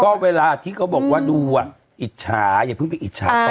ก็เวลาที่เขาบอกว่าดูอิจฉาอย่าเพิ่งไปอิจฉากัน